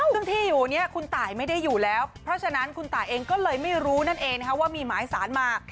ซึ่งที่อยู่นี้คุณตายไม่ได้อยู่แล้วเพราะฉะนั้นคุณตายเองก็เลยไม่รู้นั่นเองว่ามีหมายสารมา